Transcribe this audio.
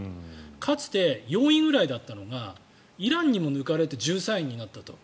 かつて、４位ぐらいだったのがイランにも抜かれて１３位になったと。